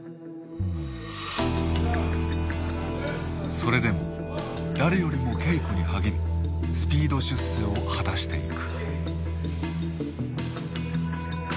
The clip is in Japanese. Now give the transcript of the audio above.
それでも誰よりも稽古に励みスピード出世を果たしていく。